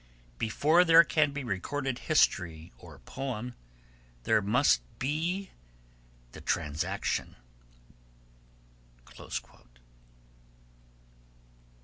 Before there can be recorded history or poem there must be the transaction.'